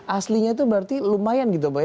aslinya itu berarti lumayan gitu pak ya